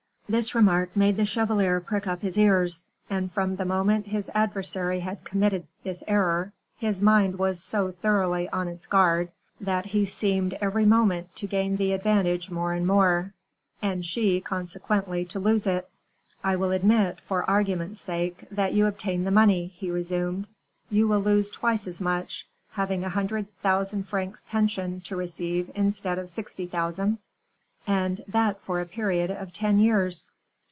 This remark made the chevalier prick up his ears; and from the moment his adversary had committed this error, his mind was so thoroughly on its guard, that he seemed every moment to gain the advantage more and more; and she, consequently, to lose it. "I will admit, for argument's sake, that you obtain the money," he resumed; "you will lose twice as much, having a hundred thousand francs' pension to receive instead of sixty thousand, and that for a period of ten years."